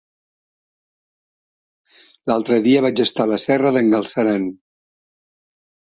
L'altre dia vaig estar a la Serra d'en Galceran.